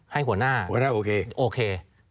ให้หัวหน้าโอเค